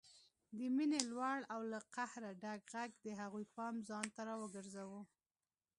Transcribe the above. د مينې لوړ او له قهره ډک غږ د هغوی پام ځانته راوګرځاوه